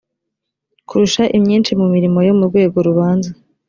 kurusha imyinshi mu mirimo yo mu rwego rubanza